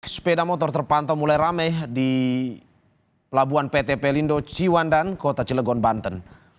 sepeda motor terpantau mulai rame di labuan ptp lindo ciwan dan kota cilegon banten